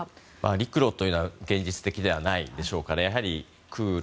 陸路というのは現実的ではないでしょうからやはり空路。